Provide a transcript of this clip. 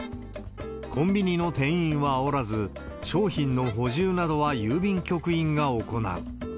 コンビニの店員はおらず、商品の補充などは郵便局員が行う。